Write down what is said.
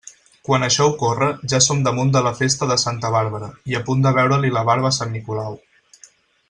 Quan això ocorre, ja som damunt de la festa de Santa Bàrbara i a punt de veure-li la barba a sant Nicolau.